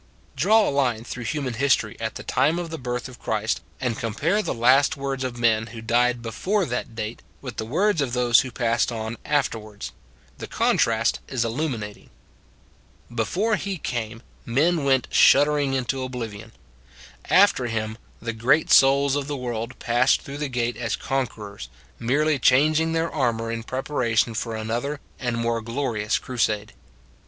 Draw a line through human history at the time of the birth of Christ, and com pare the last words of men who died be fore that date with the words of those who passed on afterwards. The contrast is illuminating. Up to the End 181 Before He came men went shuddering into oblivion. After Him the great souls of the world passed through the gate as conquerors, merely changing their armour in preparation for another and more glori ous crusade.